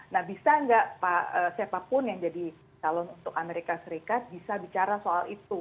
nah bisa nggak siapapun yang jadi calon untuk amerika serikat bisa bicara soal itu